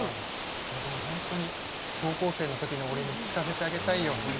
僕も本当に高校生の時の俺に聞かせてあげたいよ。